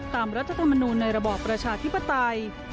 รัฐธรรมนูลในระบอบประชาธิปไตย